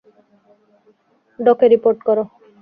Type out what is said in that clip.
ডকে report করো।